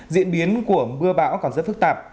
diễn biến của mưa bão còn rất phức tạp